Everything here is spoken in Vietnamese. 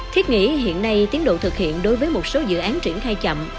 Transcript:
thiết nghĩ hiện nay tiến độ thực hiện đối với một số dự án triển khai chậm